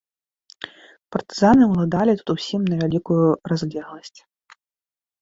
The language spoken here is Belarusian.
Партызаны ўладалі тут усім на вялікую разлегласць.